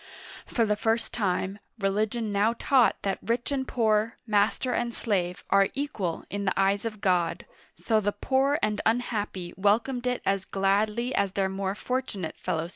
For the first time, religion now taught that rich and poor, master and slave, are equal in the eyes of God, so the poor and unhappy welcomed it as gladly as their more fortunate fellow citizens.